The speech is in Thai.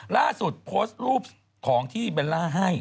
ล่าสุดโพสต์รูปของที่เบลล่าให้